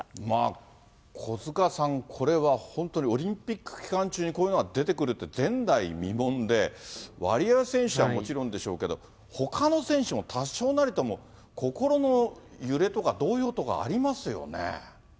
まあ、小塚さん、これは本当にオリンピック期間中にこういうのが出てくるって、前代未聞で、ワリエワ選手はもちろんでしょうけど、ほかの選手も多少なりとも心の揺れとか、動揺とかありますよね。